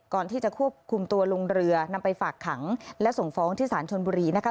ก่อนที่จะควบคุมตัวลงเรือนำไปฝากขังและส่งฟ้องที่สารชนบุรีนะคะ